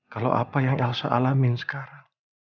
kalau apa yang elsa alamin sekarang